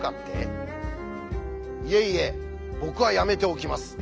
いえいえ僕はやめておきます。